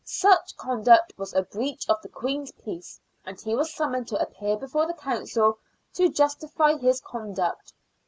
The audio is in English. Such conduct was a breach of the Queen's peace, and he was summoned to appear before the Council to justify his conduct.